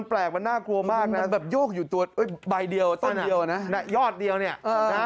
แปลกมันน่ากลัวมากนะแบบโยกอยู่ตัวใบเดียวต้นเดียวนะยอดเดียวเนี่ยนะ